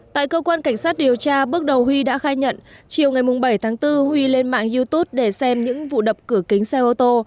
tại cơ quan cảnh sát điều tra bước đầu huy đã khai nhận chiều ngày bảy tháng bốn huy lên mạng youtube để xem những vụ đập cửa kính xe ô tô